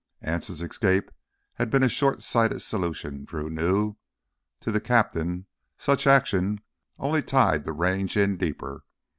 Anse's escape had been a short sighted solution, Drew knew. To the captain such action only tied the Range in deeper.